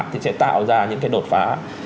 thì sẽ tạo ra những cái đột phá